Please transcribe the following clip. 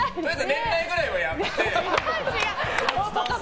年内ぐらいはやって。